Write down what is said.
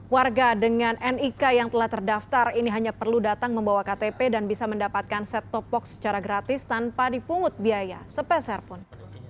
warga dengan nik yang telah terdaftar ini hanya perlu datang membawa ktp dan bisa mendapatkan set top box secara gratis tanpa dipungut biaya sepeserpun